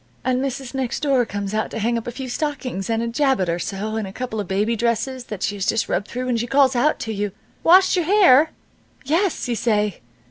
"And Mrs. Next Door comes out to hang up a few stockings, and a jabot or so, and a couple of baby dresses that she has just rubbed through, and she calls out to you: "'Washed your hair?' "'Yes,' you say.